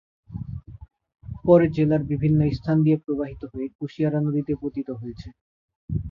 পরে জেলার বিভিন্ন স্থান দিয়ে প্রবাহিত হয়ে কুশিয়ারা নদীতে পতিত হয়েছে।